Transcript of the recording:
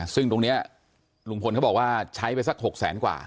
ซึ่งตรงนี้ลุงพลเขาบอกว่าใช้ไปสัก๖แสนกว่า